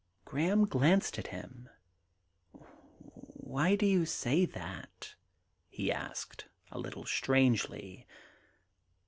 Graham glanced at him. * Why do you say that ?' he asked a little strangely.